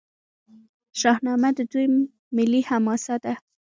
شاهنامه د دوی ملي حماسه ده.